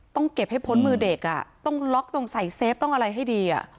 ต้องล็อกตรงใส่เซฟต้องอะไรให้ดี